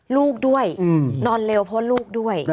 ลูกด้วยนอนเร็วเพราะลูกด้วย